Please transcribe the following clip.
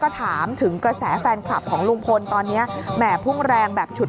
ถามถึงกระแสแฟนคลับของลุงพลตอนนี้แหม่พุ่งแรงแบบฉุด